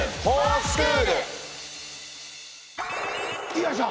よいしょ！